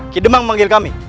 kedemang memanggil kami